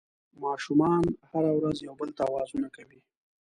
ماشومان هره ورځ یو بل ته اوازونه کوي